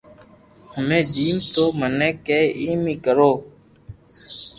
ھمي جيم تو مني ڪي ايم اي ڪرو